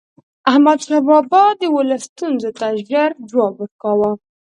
احمد شاه بابا به د ولس ستونزو ته ژر جواب ورکاوه.